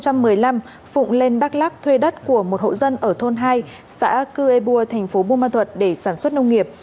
năm hai nghìn một mươi năm phụng lên đắk lắc thuê đất của một hộ dân ở thôn hai xã cư ê bua thành phố buôn ma thuật để sản xuất nông nghiệp